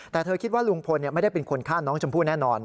แต่เธอคิดว่าลุงพลไม่ได้เป็นคนฆ่าน้องชมพู่แน่นอน